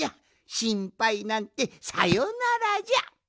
しんぱいなんてさよならじゃ！